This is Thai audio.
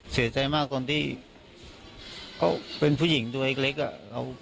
เสียใจมากตอนที่เขาเป็นผู้หญิงตัวเล็กอะ